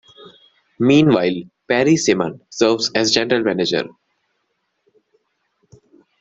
Meanwhile, Perry Simon serves as general manager.